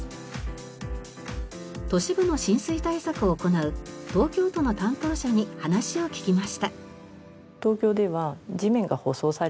都市部の浸水対策を行う東京都の担当者に話を聞きました。